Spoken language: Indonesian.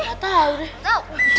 gak tau deh